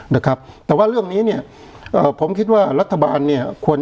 นะครับแต่ว่าเรื่องนี้เนี่ยเอ่อผมคิดว่ารัฐบาลเนี่ยควร